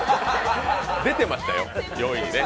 出てましたよ、４位ね。